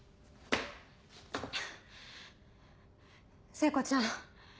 聖子ちゃん